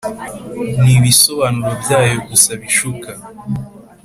ni ibisobanuro byayo gusa bishuka